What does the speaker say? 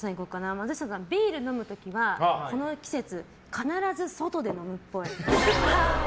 松下さん、ビール飲む時はこの季節、必ず外で飲むっぽい。